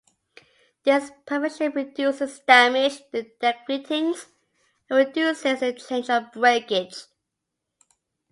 This prevention reduces damage to deck fittings and reduces the chance of breakage.